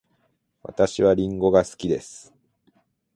私はりんごが好きです。